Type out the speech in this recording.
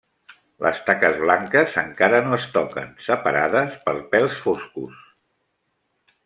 Les taques blanques encara no es toquen, separades per pèls foscos.